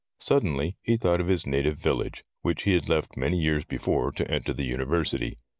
Suddenly he thought of his native village, which he had left many years before to enter the university.